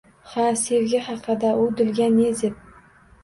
Ha, sevgi haqida. U dilga ne zeb